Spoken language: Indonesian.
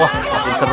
wah makin seru